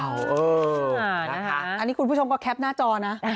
อันนี้คุณผู้ชมก็แคปหน้าจอนะ